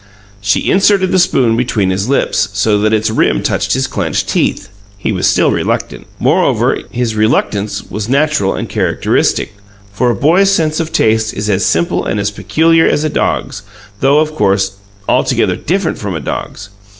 She inserted the spoon between his lips, so that its rim touched his clenched teeth; he was still reluctant. Moreover, is reluctance was natural and characteristic, for a boy's sense of taste is as simple and as peculiar as a dog's, though, of course, altogether different from a dog's.